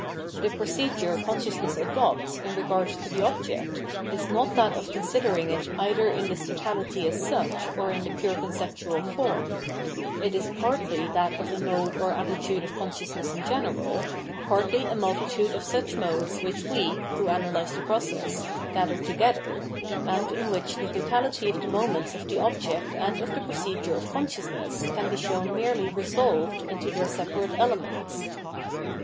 The procedure conscious ness adopts in regard to the object is not that of considering it either in this totality as such or in the pure conceptual form ; it is partly that of a mode or attitude of consciousness in general, partly a multitude of such modes which we [who analyse the process] gather together, and in which the totality of the moments of the object and of the procedure of consciousness can be shown merely resolved into their separate elements.